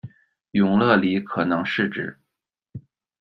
永乐里可能是指：